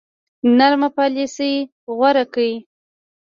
نرمه پالیسي غوره کړه.